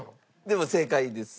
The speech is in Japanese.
でも正解です。